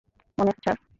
মনে আছে, স্যার।